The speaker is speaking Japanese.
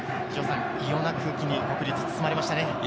異様な空気に国立、包まれましたね。